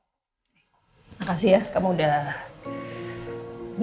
menyempatkan waktu untuk aku menikmati kamu